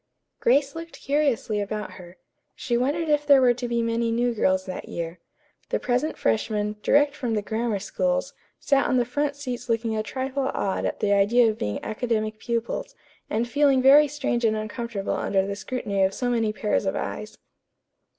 Grace looked curiously about her. She wondered if there were to be many new girls that year. The present freshmen, direct from the Grammar Schools, sat on the front seats looking a trifle awed at the idea of being academic pupils, and feeling very strange and uncomfortable under the scrutiny of so many pairs of eyes.